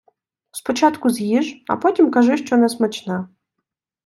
Спочатку з'їж, а потім кажи, що несмачне.